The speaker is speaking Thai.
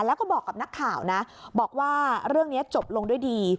แล้วก็บอกกับนักข่าวนะบอกว่าเรื่องนี้จบลงด้วยดี